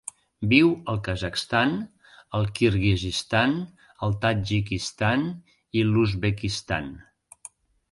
Viu al Kazakhstan, el Kirguizistan, el Tadjikistan i l'Uzbekistan.